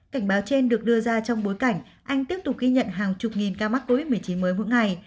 cảnh báo trên được đưa ra trong bối cảnh anh tiếp tục ghi nhận hàng chục nghìn ca mắc covid một mươi chín mới mỗi ngày